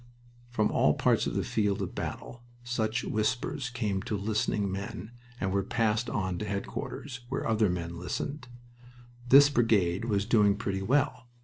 From all parts of the field of battle such whispers came to listening men and were passed on to headquarters, where other men listened. This brigade was doing pretty well.